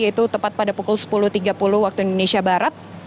yaitu tepat pada pukul sepuluh tiga puluh waktu indonesia barat